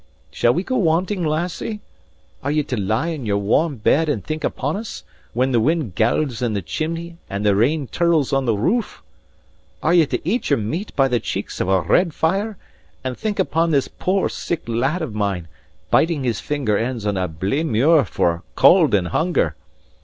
Shall we go wanting, lassie? Are ye to lie in your warm bed and think upon us, when the wind gowls in the chimney and the rain tirls on the roof? Are ye to eat your meat by the cheeks of a red fire, and think upon this poor sick lad of mine, biting his finger ends on a blae muir for cauld and hunger?